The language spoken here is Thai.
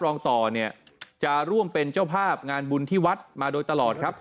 รองต่อเนี่ยจะร่วมเป็นเจ้าภาพงานบุญที่วัดมาโดยตลอดครับ